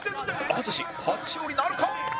淳初勝利なるか？